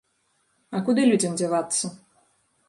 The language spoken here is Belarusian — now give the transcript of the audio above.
А куды людзям дзявацца?